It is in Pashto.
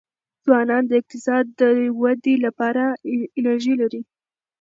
ځوانان د اقتصاد د ودې لپاره انرژي لري.